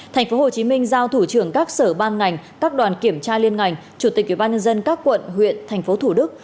tp hcm giao thủ trưởng các sở ban ngành các đoàn kiểm tra liên ngành chủ tịch ubnd các quận huyện tp thủ đức